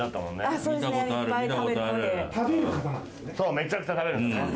めちゃくちゃ食べるんですよね。